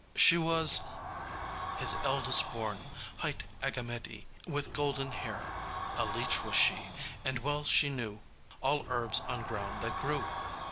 She was: "His eldest born, hight Agamede, with golden hair, A leech was she, and well she knew all herbs on ground that grew."